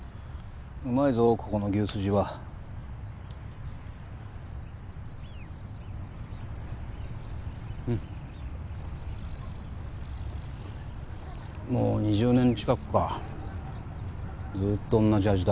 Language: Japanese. うまいぞここの牛スジはもう２０年近くかずっと同じ味だ